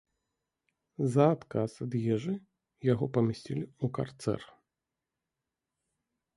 За адказ ад ежы яго памясцілі ў карцэр.